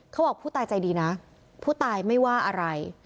เขาบอกผู้ตายใจดีนะผู้ตายไม่ว่าอะไร